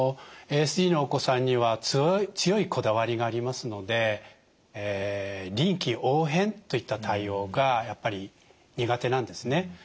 ＡＳＤのお子さんには強いこだわりがありますので臨機応変といった対応がやっぱり苦手なんですね。